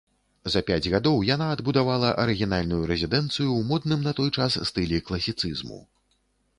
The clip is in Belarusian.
За пяць гадоў яна адбудавала арыгінальную рэзідэнцыю ў модным на той час стылі класіцызму.